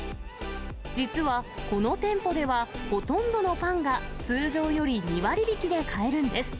実はこの店舗では、ほとんどのパンが、通常より２割引きで買えるんです。